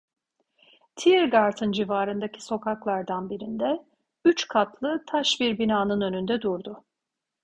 Tiergarten civarındaki sokaklardan birinde, üç katlı taş bir binanın önünde durdu.